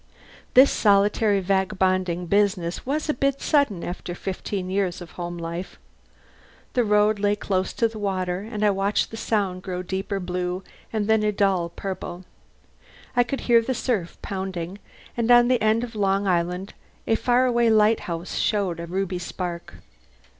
This solitary vagabonding business was a bit sudden after fifteen years of home life. The road lay close to the water and I watched the Sound grow a deeper blue and then a dull purple. I could hear the surf pounding, and on the end of Long Island a far away lighthouse showed a ruby spark.